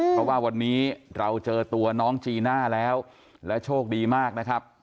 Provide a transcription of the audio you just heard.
เพราะว่าวันนี้เราเจอตัวน้องจีน่าแล้วและโชคดีมากนะครับ